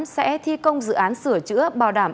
sẽ thi công dự án sửa chữa bảo đảm